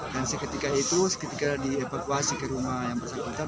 dan seketika itu seketika dia evakuasi ke rumah yang bersakitan